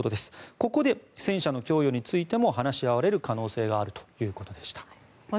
ここで戦車の供与についても話し合われる可能性があるということでした。